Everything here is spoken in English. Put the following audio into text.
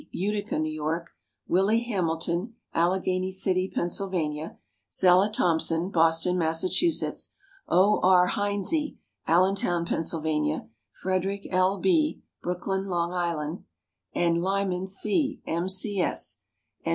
Utica, New York; Willie Hamilton, Alleghany City, Pennsylvania; Zella Thompson, Boston, Massachusetts; O. R. Heinze, Allentown, Pennsylvania; Frederick L. B., Brooklyn, Long Island; and Lyman C., M.